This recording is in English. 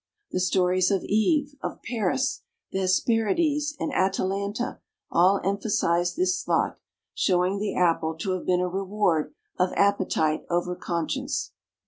The stories of Eve, of Paris, the Hesperides and Atalanta all emphasize this thought, showing the Apple to have been a reward of appetite over conscience.